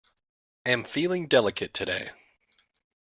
Am feeling delicate today.